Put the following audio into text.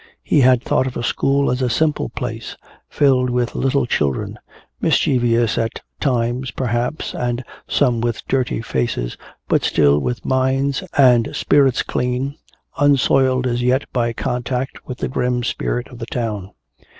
He had thought of a school as a simple place, filled with little children, mischievous at times perhaps and some with dirty faces, but still with minds and spirits clean, unsoiled as yet by contact with the grim spirit of the town.